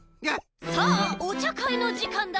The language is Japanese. さあおちゃかいのじかんだ。